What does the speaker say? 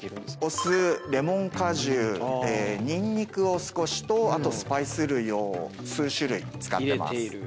お酢レモン果汁にんにくを少しとあとスパイス類を数種類使ってます。